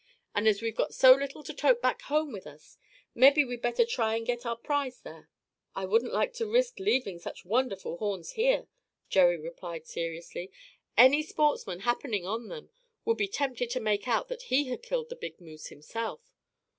And as we've got so little to tote back home with us, mebbe we'd better try and get our prize there." "I wouldn't like to risk leaving such wonderful horns here," Jerry replied seriously. "Any sportsman happening on them would be tempted to make out that he had killed the big moose himself.